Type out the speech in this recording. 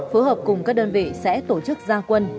phối hợp cùng các đơn vị sẽ tổ chức gia quân